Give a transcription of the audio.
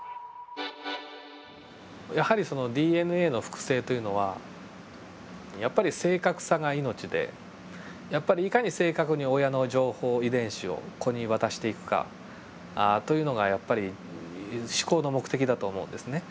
やはりＤＮＡの複製というのはやっぱり正確さが命でいかに正確に親の情報遺伝子を子に渡していくかというのがやっぱり至高の目的だと思うんですね。